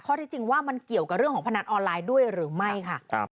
ที่จริงว่ามันเกี่ยวกับเรื่องของพนันออนไลน์ด้วยหรือไม่ค่ะ